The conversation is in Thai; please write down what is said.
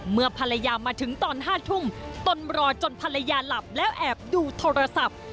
เมื่อภรรยามาถึงตอน๕ทุ่มตนรอจนภรรยาหลับแล้วแอบดูโทรศัพท์